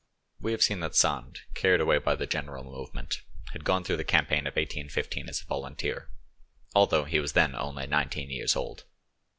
We have seen that Sand, carried away by the general movement, had gone through the campaign of 1815 as a volunteer, although he was then only nineteen years old.